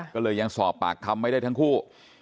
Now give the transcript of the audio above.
ก็เลยยังสอบปากคำไม่ได้ทั้งคู่